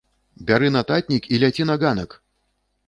Бяры нататнік і ляці на ганак!